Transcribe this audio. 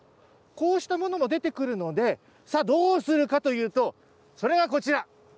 こうしたものも出てくるので、さあ、どうするかというと、それがこちら。